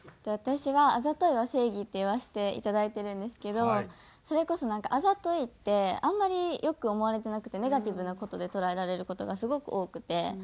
私は「あざといは正義！」って言わせていただいてるんですけどそれこそなんかあざといってあんまり良く思われてなくてネガティブな事で捉えられる事がすごく多くて。